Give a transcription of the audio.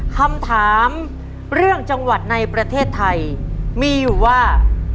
คำถามเรื่องจังหวัดในประเทศไทยมีอยู่ว่า